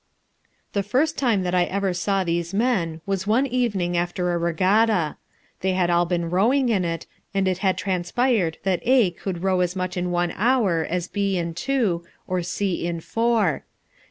The first time that ever I saw these men was one evening after a regatta. They had all been rowing in it, and it had transpired that A could row as much in one hour as B in two, or C in four.